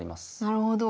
なるほど。